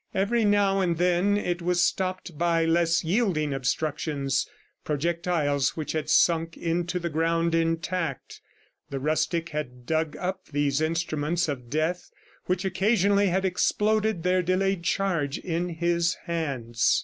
Every now and then, it was stopped by less yielding obstructions, projectiles which had sunk into the ground intact. The rustic had dug up these instruments of death which occasionally had exploded their delayed charge in his hands.